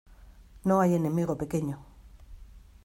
No hay enemigo pequeño.